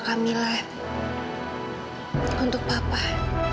kamilah untuk pak haris